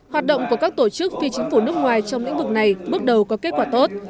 hoạt động của các tổ chức phi chính phủ nước ngoài trong lĩnh vực này bước đầu có kết quả tốt